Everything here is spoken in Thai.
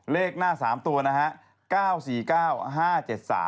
เลขหน้า๓ตัวนะฮะ